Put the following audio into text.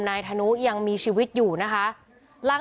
นายธนุยังมีชีวิตอยู่นะคะ